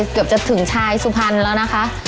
เกือบจะถึงชายสุพรรณแล้วนะคะ